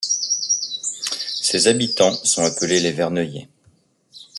Ses habitants sont appelés les Verneuillais.